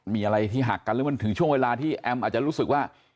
มีอะไรที่หักกันหรือมันถึงช่วงเวลาที่แอมอาจจะรู้สึกว่า